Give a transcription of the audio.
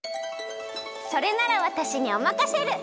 それならわたしにおまかシェル！